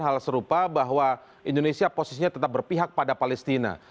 hal serupa bahwa indonesia posisinya tetap berpihak pada palestina